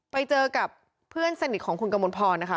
ไปเจอกับเพื่อนสนิทของคุณกมลพรนะคะ